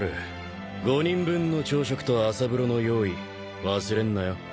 ５人分の朝食と朝風呂の用意忘れんなよ。